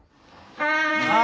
はい。